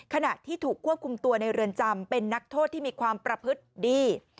ขณะที่ถูกควบคุมตัวในเรือนจำเป็นนักโทษที่มีความประพฤติดี